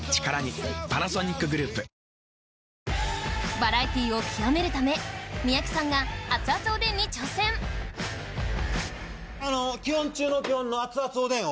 バラエティーを極めるため三宅さんがあの基本中の基本の熱々おでんを。